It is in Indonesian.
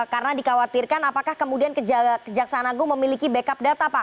karena dikhawatirkan apakah kemudian kejaksaan agung memiliki backup data pak